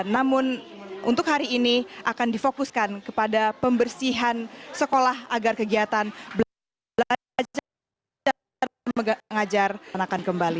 namun untuk hari ini akan difokuskan kepada pembersihan sekolah agar kegiatan belajar dan mengajar akan kembali